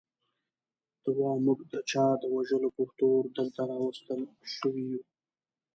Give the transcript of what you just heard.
ته وا موږ د چا د وژلو په تور دلته راوستل شوي یو.